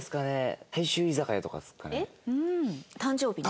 誕生日に？